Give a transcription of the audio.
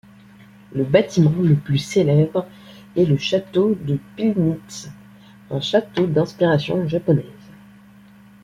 Le bâtiment le plus célèbre est le château de Pillnitz, un château d'inspiration japonaise.